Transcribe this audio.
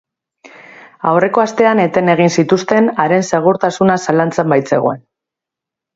Aurreko astean eten egin zituzten, haren segurtasuna zalantzan baitzegoen.